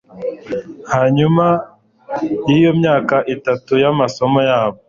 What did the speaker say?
hanyuma y'iyo myaka itatu y'amasomo yabo